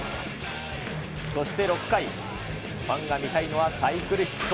そして６回、ファンが見たいのはサイクルヒット。